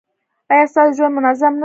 ایا ستاسو ژوند منظم نه دی؟